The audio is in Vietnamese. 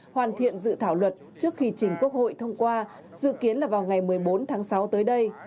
hoàn thiện dự thảo luật trước khi chính quốc hội thông qua dự kiến là vào ngày một mươi bốn tháng sáu tới đây